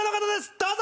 どうぞ！